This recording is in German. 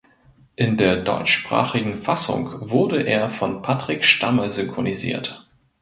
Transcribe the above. In der deutschsprachigen Fassung wurde er von Patrick Stamme synchronisiert.